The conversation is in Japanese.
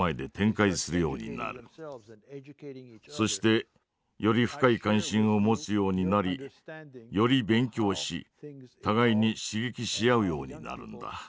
そしてより深い関心を持つようになりより勉強し互いに刺激し合うようになるんだ。